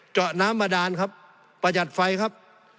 เจาะน้ำบาดานครับประหยัดไฟครับ